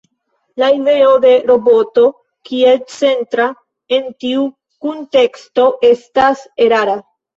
La ideo de roboto kiel centra en tiu kunteksto estas erara.